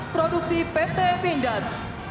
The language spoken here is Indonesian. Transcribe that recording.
produksi pt pindad